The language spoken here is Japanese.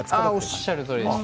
おっしゃるとおりです。